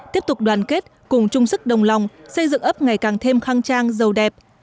tiếp tục đoàn kết cùng chung sức đồng lòng xây dựng ấp ngày càng thêm khang trang giàu đẹp